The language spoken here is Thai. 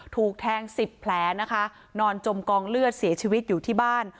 ถูกแทงสิบแผลนะคะนอนจมกองเลือดเสียชีวิตอยู่ที่บ้าน